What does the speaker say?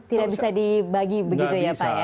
tidak bisa dibagi begitu ya pak ya